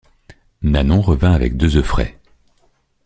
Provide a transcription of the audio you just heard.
Nanon revint avec deux œufs frais.